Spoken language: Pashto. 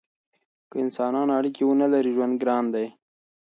که انسانان اړیکې ونلري ژوند ګران دی.